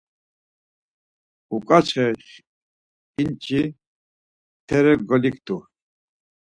Uǩaçxe ǩinçi tere goliktu.